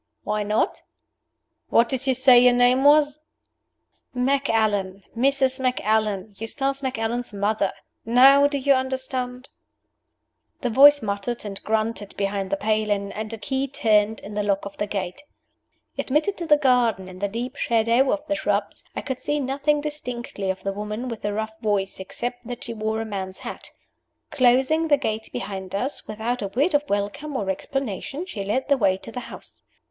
"Why not?" "What did you say your name was?" "Macallan. Mrs. Macallan. Eustace Macallan's mother. Now do you understand?" The voice muttered and grunted behind the paling, and a key turned in the lock of the gate. Admitted to the garden, in the deep shadow of the shrubs, I could see nothing distinctly of the woman with the rough voice, except that she wore a man's hat. Closing the gate behind us, without a word of welcome or explanation, she led the way to the house.